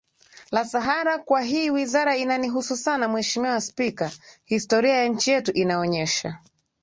la sahara kwa hii wizara inanihusu sana Mheshimiwa Spika historia ya nchi yetu inaonyesha